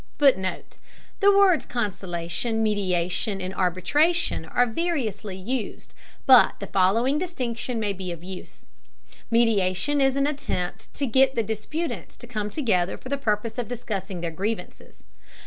[Footnote: The words conciliation, mediation, and arbitration are variously used, but the following distinction may be of use. Mediation is an attempt to get the disputants to come together for the purpose of discussing their grievances.